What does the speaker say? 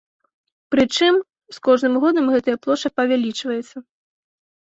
Прычым, з кожным годам гэтая плошча павялічваецца.